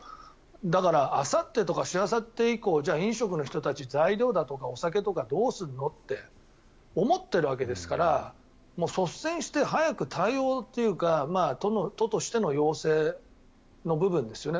だからあさってとかしあさって以降じゃあ飲食の人たち材料だとかお酒とかどうすんのって思っているわけですから率先して早く対応というか都としての要請の部分ですよね。